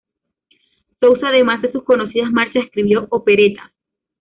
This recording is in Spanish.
Sousa, además de sus conocidas marchas, escribió operetas.